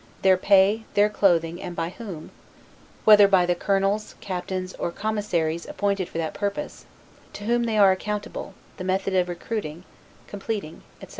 their pay, their clothing, and by whom; whether by the colonels, or captains, or commissaries appointed for that purpose; to whom they are accountable; the method of recruiting, completing, etc.